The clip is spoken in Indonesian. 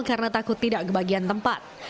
karena takut tidak kebagian tempat